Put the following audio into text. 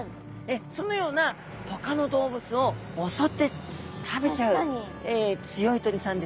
そのようなほかの動物を襲って食べちゃう強い鳥さんですね。